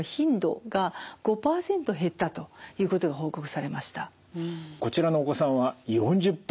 実際こちらのお子さんは４０分。